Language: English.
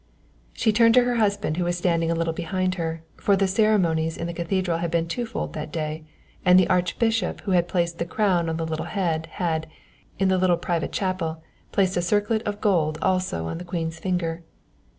She turned to her husband who was standing a little behind her, for the ceremonies in the Cathedral had been twofold that day, and the Archbishop who had placed the crown on the little head, had, in the little private chapel, placed a circlet of gold also on the Queen's finger.